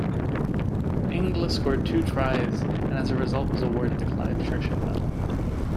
Inglis scored two tries and as a result was awarded the Clive Churchill Medal.